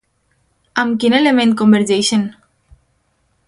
Amb quin element convergeixen?